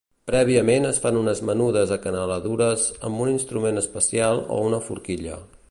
Prèviament es fan unes menudes acanaladures amb un instrument especial o una forquilla.